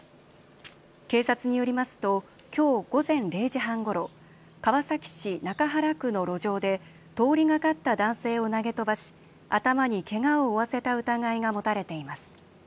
警察によりますときょう午前０時半ごろ川崎市中原区の路上で通りがかった男性を投げ飛ばし頭にけがを負わせた疑いが持たれています。